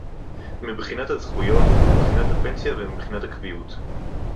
מבחינת הזכויות, מבחינת הפנסיה ומבחינת הקביעות